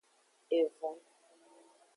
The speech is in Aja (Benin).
Evon.